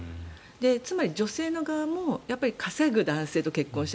つまり女性の側も稼ぐ男性と結婚したい。